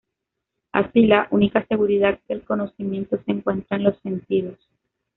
Así, la única seguridad del conocimiento se encuentra en los sentidos.